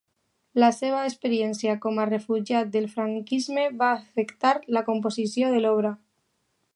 La seva experiència com a refugiat del franquisme va afectar la composició de l'obra.